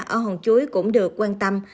ở hòn chuối cũng được quan tâm